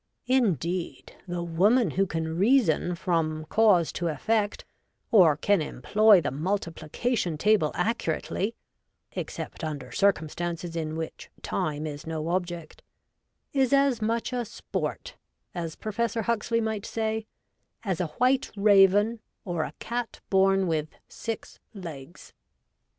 Indeed, the woman who 136 REVOLTED WOMAN. can reason from cause to effect, or can employ the multiplication table accurately (except under circum stances in which time is no object) is as much a 'sport' — as Professor Huxley might say — as a white raven or a cat born with six legs.